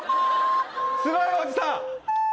すごいよおじさん！